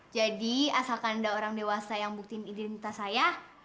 jadi asalkan gak ada orang dewasa yang buktiin identitas saya